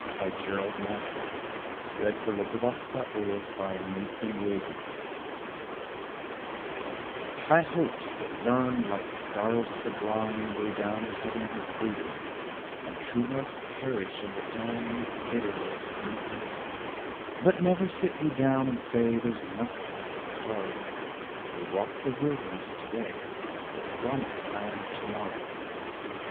HOPE PROGRESS, OPTIMISM, ENTHUSIASM THE PROMISED LAND TO MORROW High hopes that burned like stars sublime Go down the heavens of freedom, And true hearts perish in the time We bitterliest need them; But never sit we down and say, There's nothing left but sorrow We walk the wilderness to day, The Promised Land to morrow.